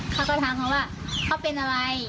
เขาก็ถามเขาว่าเขาเป็นอะไร